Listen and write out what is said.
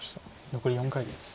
残り４回です。